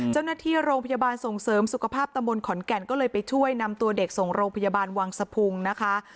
เจ้าหน้าที่โรงพยาบาลส่งเสริมสุขภาพตำบลขอนแก่นก็เลยไปช่วยนำตัวเด็กส่งโรงพยาบาลวังสะพุงนะคะ